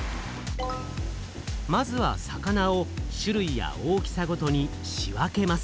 まずは魚を種類や大きさごとに仕分けます。